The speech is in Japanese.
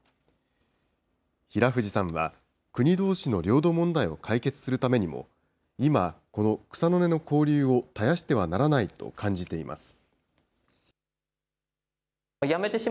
平藤さんは、国どうしの領土問題を解決するためにも、今、この草の根の交流を絶やしてはならないと感じています。